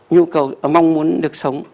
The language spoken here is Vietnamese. nhu cầu mong muốn được sống